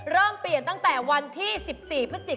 เริ่มเปลี่ยนตั้งแต่วันที่๑๔พฤศจิกา